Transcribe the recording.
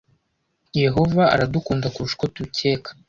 yehova aradukunda kurusha uko tubikeka